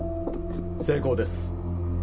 成功です